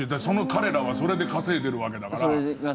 彼らはそれで稼いでるわけだから。